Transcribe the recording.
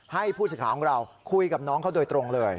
ให้ผู้สิทธิ์ของเราคุยกับน้องเขาโดยตรงเลย